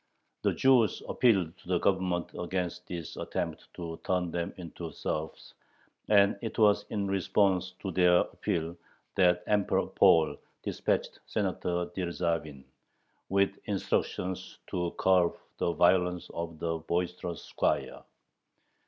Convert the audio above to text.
The Jews appealed to the Government against this attempt to turn them into serfs, and it was in response to their appeal that Emperor Paul dispatched Senator Dyerzhavin, with instructions to curb the violence of the boisterous squire.